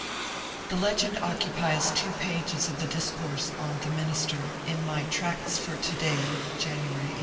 " The legend occupies two pages of the discourse on ^' The Minister" in my "Tracts for To^iay" (January, 1858).